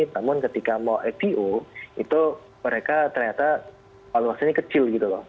namun ketika mau ipo itu mereka ternyata valuasinya kecil gitu loh